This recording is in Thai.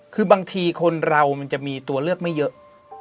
คือบางทีคนเรามันจะมีตัวเลือกไม่เยอะ